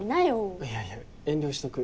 いやいや遠慮しとく。